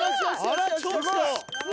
あらちょっと！